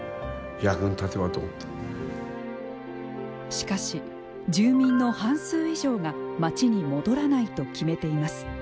しかし、住民の半数以上が町に戻らないと決めています。